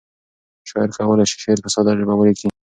شاعر کولی شي شعر په ساده ژبه ولیکي.